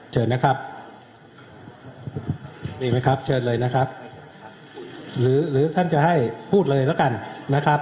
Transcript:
เชิญนะครับนี่ไหมครับเชิญเลยนะครับหรือท่านจะให้พูดเลยแล้วกันนะครับ